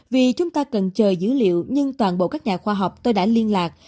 vì chúng ta cần chờ dữ liệu nhưng toàn bộ các nhà khoa học tôi đã liên lạc